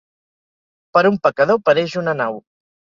Per un pecador, pereix una nau.